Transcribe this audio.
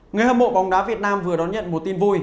người hâm mộ bóng đá việt nam vừa đón nhận một tin vui